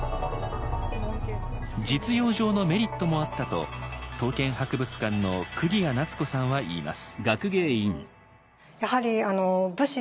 実用上のメリットもあったと刀剣博物館の釘屋奈都子さんは言います。